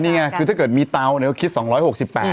นี่ไงคือถ้าเกิดมีเตาเนี่ยก็คิด๒๖๘บาท